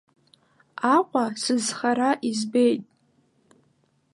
Аҟәа сызхара избеит.